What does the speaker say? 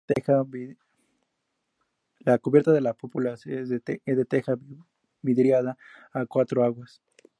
La cubierta de la cúpula es de teja vidriada a cuatro aguas.